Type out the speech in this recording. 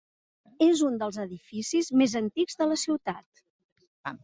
És un dels edificis més antics de la ciutat.